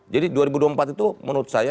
jadi dua ribu dua puluh empat itu menurut saya